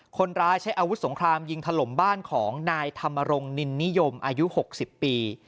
คนร้ายใช้อาวุธสงครามยิงถล่มบ้านของนายธรรมรงคนินนิยมอายุ๖๐ปี